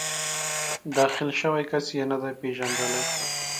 داخل شوی کس یې نه دی پېژندلی.